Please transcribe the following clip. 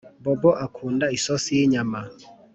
Bobo akunda isosi yinyama